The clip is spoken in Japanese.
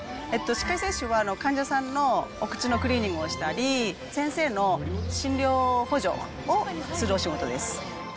歯科衛生士は患者さんのお口のクリーニングをしたり、先生の診療補助をするお仕事です。